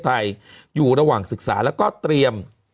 มันติดคุกออกไปออกมาได้สองเดือน